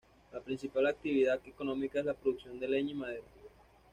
La principal actividad económica es la producción de leña y madera.